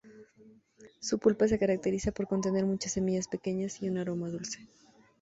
Su pulpa se caracteriza por contener muchas semillas pequeñas, y un aroma dulce.